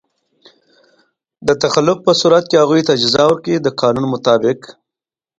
په تخلف په صورت کې هغوی ته جزا ورکوي د قانون مطابق.